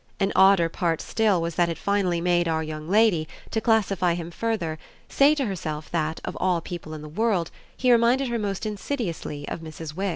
An odder part still was that it finally made our young lady, to classify him further, say to herself that, of all people in the world, he reminded her most insidiously of Mrs. Wix.